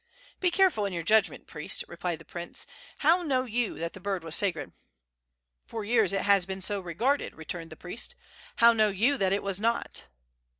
"Be careful in your judgment, priest," replied the prince. "How know you that the bird was sacred?" "For years it has been so regarded," returned the priest. "How know you that it was not?"